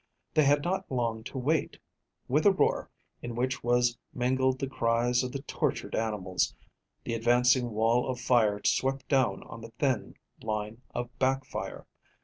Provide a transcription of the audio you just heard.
They had not long to wait. With a roar, in which was mingled the cries of the tortured animals, the advancing wall of fire swept down on the thin line of back fire.